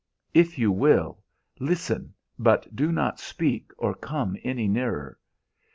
If you will, listen, but do not speak or come any nearer.